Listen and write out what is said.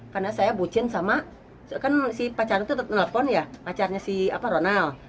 karena saya bucin sama kan si pacarnya tetap nelfon ya pacarnya si apa ronald